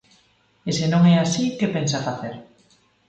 E, se non é así, ¿que pensa facer?